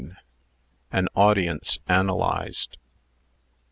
AN AUDIENCE ANALYZED.